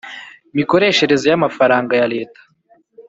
mikoreshereze y amafaranga ya Leta